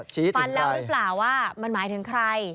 ฟันแล้วหรือเปล่าว่ามันหมายถึงใคร